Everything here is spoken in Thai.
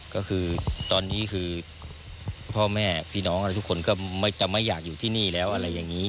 ก็คือตอนนี้คือพ่อแม่พี่น้องอะไรทุกคนก็จะไม่อยากอยู่ที่นี่แล้วอะไรอย่างนี้